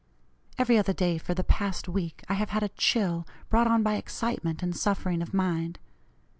Every other day, for the past week, I have had a chill, brought on by excitement and suffering of mind.